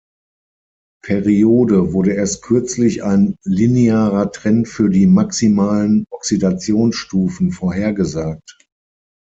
Periode wurde erst kürzlich ein linearer Trend für die maximalen Oxidationsstufen vorhergesagt.